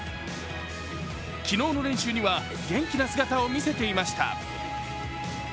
昨日の練習には元気な姿を見せていました。